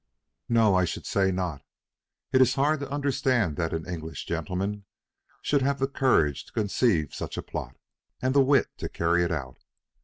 "No, I should say not. It is hard to understand that an English gentleman should have the courage to conceive such a plot, and the wit to carry it out.